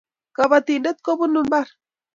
kabatindet kobunu mbar